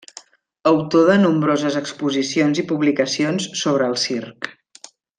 Autor de nombroses exposicions i publicacions sobre el circ.